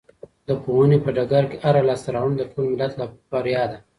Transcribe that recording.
د پوهنې په ډګر کې هره لاسته راوړنه د ټول ملت بریا ده.